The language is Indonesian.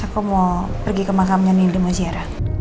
aku mau pergi ke makamnya nindy mau ziarah